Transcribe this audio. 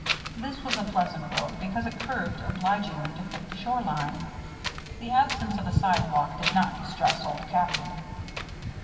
This was a pleasant road, because it curved obligingly to fit the shore line. The absence of a sidewalk did not distress Old Captain.